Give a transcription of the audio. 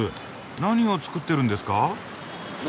何を作ってるんですか？